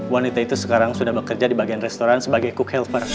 wanita itu sekarang sudah bekerja di bagian restoran sebagai cook healper